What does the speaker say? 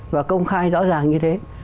và công khai rõ ràng như thế